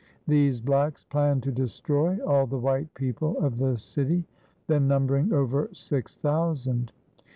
These blacks planned to destroy all the white people of the city, then numbering over six thousand.